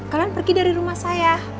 kalian pergi dari rumah saya